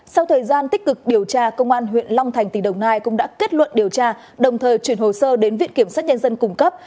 sau thời gian tích cực điều tra công an huyện long thành tỉnh đồng nai cũng đã kết luận điều tra đồng thời chuyển hồ sơ đến viện kiểm sát nhân dân cung cấp